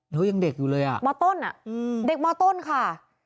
แล้วยังเด็กอยู่เลยอ่ะมต้นอ่ะเด็กมต้นค่ะ